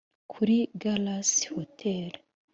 kuri Galaxy Hotel